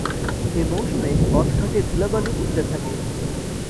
এ মৌসুমে পথঘাটে ধুলাবালু উড়তে থাকে।